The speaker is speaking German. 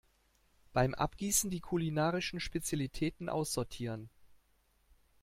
Beim Abgießen die kulinarischen Spezialitäten aussortieren.